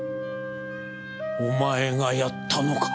お前がやったのか？